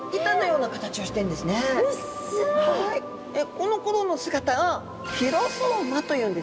このころの姿をフィロソーマというんですね。